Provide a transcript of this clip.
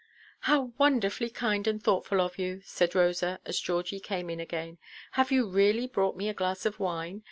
"How wonderfully kind and thoughtful of you!" said Rosa, as Georgie came in again. "Have you really brought me a glass of wine?